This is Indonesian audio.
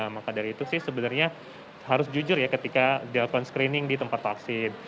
maka dari itu sih sebenarnya harus jujur ya ketika dilakukan screening di tempat vaksin